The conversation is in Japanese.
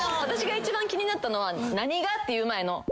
私が一番気になったのは「何が？」って言う前の。